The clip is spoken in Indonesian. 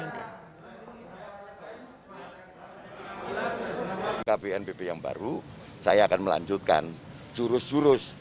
dengan bnpb yang baru saya akan melanjutkan jurus jurus